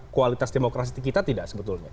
kualitas demokrasi kita tidak sebetulnya